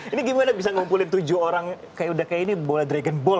ini gimana bisa ngumpulin tujuh orang kayak udah kayak ini bola dragon ball